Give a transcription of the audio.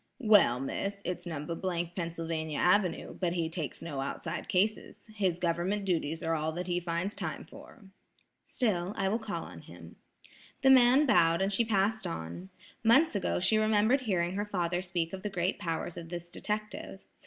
"Well, Miss, it's No. — Pennsylvania Avenue; but he takes no outside cases. His government duties are all that he finds time for." "Still, I will call on him." The man bowed, and she passed on. Months ago she remembered hearing her father speak of the great powers of this detective.